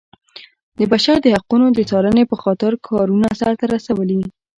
د بشر د حقونو د څارنې په خاطر کارونه سرته رسولي.